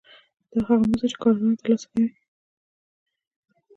دا هغه مزد دی چې کارګران یې ترلاسه کوي